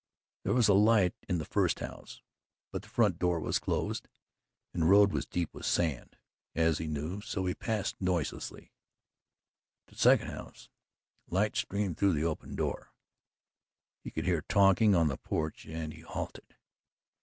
There was a light in the first house, but the front door was closed and the road was deep with sand, as he knew; so he passed noiselessly. At the second house, light streamed through the open door; he could hear talking on the porch and he halted.